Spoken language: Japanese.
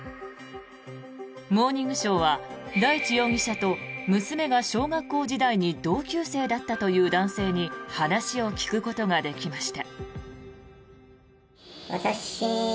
「モーニングショー」は大地容疑者と娘が小学校時代に同級生だったという男性に話を聞くことができました。